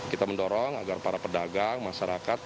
kita mendorong agar para pedagang masyarakat